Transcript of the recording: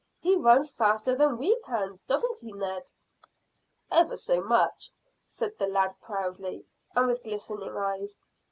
He runs faster than we can, doesn't he, Ned?" "Ever so much," said the lad proudly, and with glistening eyes.